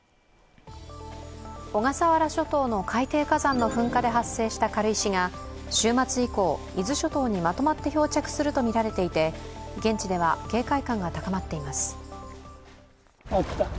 小笠原諸島の海底火山の噴火で発生した軽石が週末以降、伊豆諸島にまとまって漂着するとみられていて現地では警戒感が高まっています。